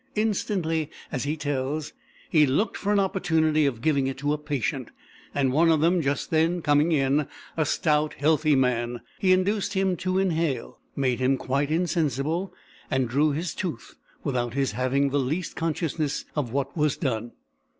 Instantly, as he tells, he looked for an opportunity of giving it to a patient; and one just then coming in, a stout, healthy man, he induced him to inhale, made him quite insensible, and drew his tooth without his having the least consciousness of what was done.